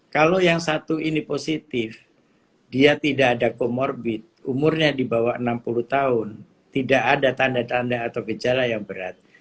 kalau yang satu ini positif dia tidak ada comorbid umurnya di bawah enam puluh tahun tidak ada tanda tanda atau gejala yang berat